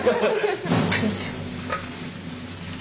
よいしょ。